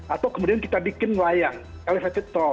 atau kemudian kita bikin layang elevated toll